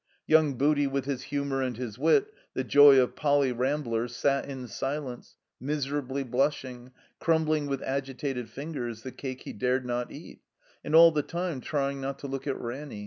Yotmg Booty, with his humor and his wit, the joy of Poly. Ramblers, sat in silence, miserably blushing, crumbling with agitated fingers the cake he dared not eat, and all the time trying not to look at Ranny.